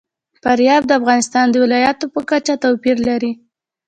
فاریاب د افغانستان د ولایاتو په کچه توپیر لري.